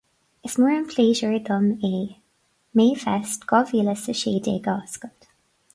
Is mór an pléisiúr dom é MayFest dhá mhíle a sé déag a oscailt